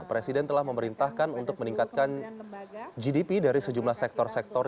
presiden telah memerintahkan untuk meningkatkan gdp dari sejumlah sektor sektor